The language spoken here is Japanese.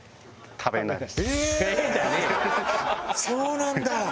そうなんだ。